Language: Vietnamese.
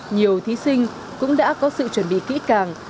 nhiều thí sinh cũng đã có sự chuẩn bị kỹ càng